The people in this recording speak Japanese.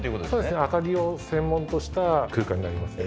明かりを専門とした空間になります。